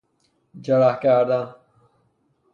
جرح کردن